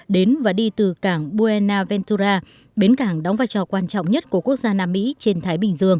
đến và đi từ cảng buena ventura bến cảng đóng vai trò quan trọng nhất của quốc gia nam mỹ trên thái bình dương